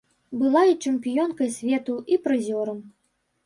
Была і чэмпіёнкай свету, і прызёрам.